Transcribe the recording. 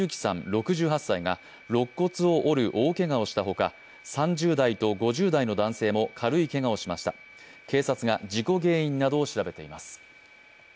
６８歳がろっ骨を折る大けがをしたほか３０代と５０代の男性も軽いけがをしました警察が事故原因などを調べています。